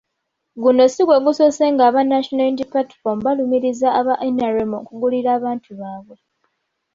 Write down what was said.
Guno si gwe gusoose nga aba National Unity Platform balumiriza aba NRM okugulirira abantu baabwe.